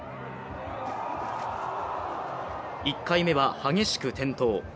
１回目は激しく転倒。